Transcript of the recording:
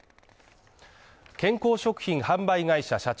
健康食品販売会社社長